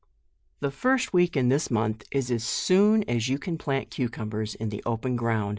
The first week in th>s month is as soon as you can plant cucumbers in the open ground JUNE.